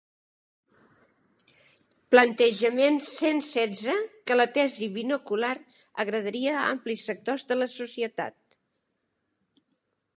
Plantejament cent setze que la tesi binocular agradaria a amplis sectors de la societat.